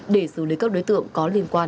để xử lý các đối tượng có liên quan